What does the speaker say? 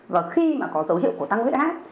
và khi mà có dấu hiệu của tăng huyết áp